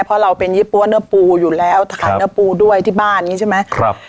เพราะเราเป็นญี่ปุ่อเนื้อปูอยู่แล้วครับขาดเนื้อปูด้วยที่บ้านนี่ใช่ไหมครับ